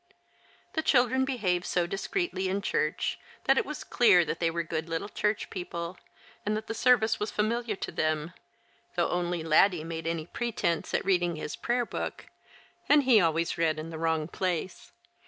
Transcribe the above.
The children behaved so discreetly in church that it was clear that they were good little church people, and that the service was familiar to them, though only Laddie made any pretence at reading his Prayer book, and he always read in the wrong place.